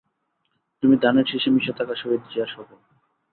তুমি ধানের শীষে মিশে থাকা শহীদ জিয়ার স্বপন।